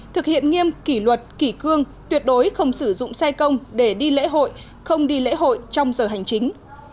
thực hiện nghiêm kỷ luật kỷ cương tuyệt đối không sử dụng xe công để đi lễ hội không đi lễ hội trong giờ hành chính